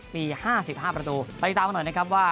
มี๕๕ประตูไปตามกันหน่อยนะครับว่า